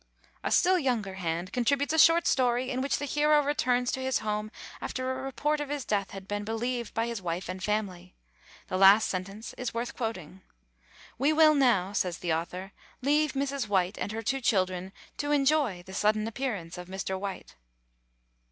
A still younger hand contributes a short story in which the hero returns to his home after a report of his death had been believed by his wife and family. The last sentence is worth quoting: "We will now," says the author, "leave Mrs. White and her two children to enjoy the sudden appearance of Mr. White."